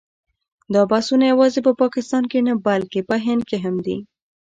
دا بحثونه یوازې په پاکستان کې نه بلکې په هند کې هم دي.